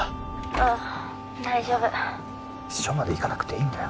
☎うん大丈夫署まで行かなくていいんだよ